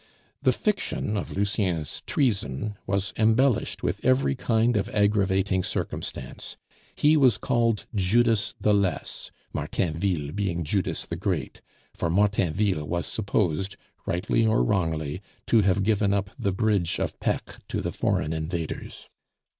The fiction of Lucien's treason was embellished with every kind of aggravating circumstance; he was called Judas the Less, Martainville being Judas the Great, for Martainville was supposed (rightly or wrongly) to have given up the Bridge of Pecq to the foreign invaders.